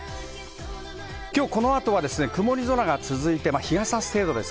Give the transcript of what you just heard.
この後は曇り空が続いて、日が差す程度です。